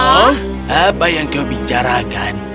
oh apa yang kau bicarakan